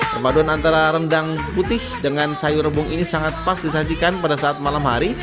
permaduan antara rendang putih dengan sayur rebung ini sangat pas disajikan pada saat malam hari